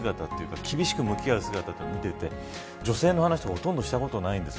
厳しく向き合う姿を見ていて女性の話とかほとんどしたことがないんです。